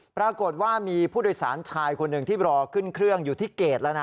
ปรากฏว่ามีผู้โดยสารชายคนหนึ่งที่รอขึ้นเครื่องอยู่ที่เกรดแล้วนะ